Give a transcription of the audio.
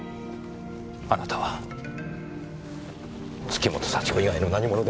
あなたは月本幸子以外の何者でもないんですよ！